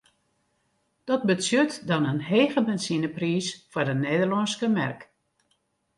Dat betsjut dan in hege benzinepriis foar de Nederlânske merk.